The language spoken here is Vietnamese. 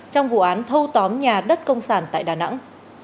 trong vụ án thâu tóm nhà đất công sản tại đà nẵng